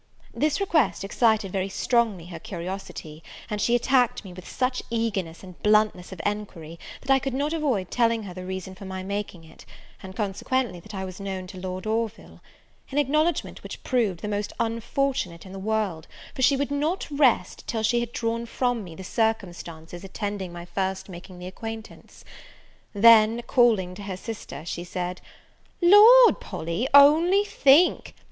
This request excited very strongly her curiosity: and she attacked me with such eagerness and bluntness of enquiry, that I could not avoid telling her the reason of my making it, and, consequently, that I was known to Lord Orville: an acknowledgment which proved the most unfortunate in the world; for she would not rest till she had drawn from me the circumstances attending my first making the acquaintance. Then, calling to her sister, she said, "Lord, Polly, only think!